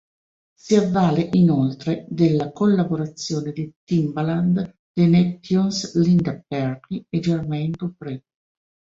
Si avvale inoltre della collaborazione di Timbaland, The Neptunes, Linda Perry e Jermaine Dupri.